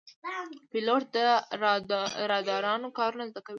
پیلوټ د رادارونو کارونه زده کوي.